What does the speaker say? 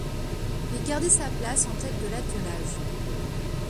Il gardait sa place en tête de l’attelage.